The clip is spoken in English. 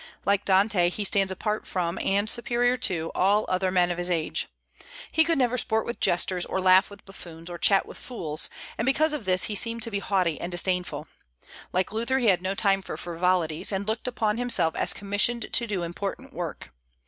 Like Dante, he stands apart from, and superior to, all other men of his age. He never could sport with jesters, or laugh with buffoons, or chat with fools; and because of this he seemed to be haughty and disdainful. Like Luther, he had no time for frivolities, and looked upon himself as commissioned to do important work.